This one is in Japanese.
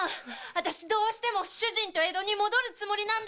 あたしどうしても主人と江戸に戻るつもりなの！